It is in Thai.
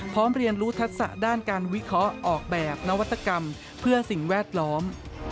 เรียนรู้ทักษะด้านการวิเคราะห์ออกแบบนวัตกรรมเพื่อสิ่งแวดล้อม